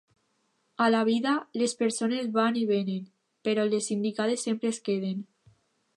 A la vida, les persones van i venen, però les indicades sempre es queden.